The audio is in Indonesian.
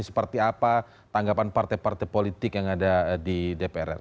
seperti apa tanggapan partai partai politik yang ada di dprr